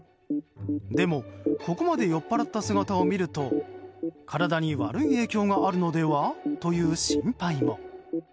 でも、ここまで酔っぱらった姿を見ると体に悪い影響があるのではという心配も。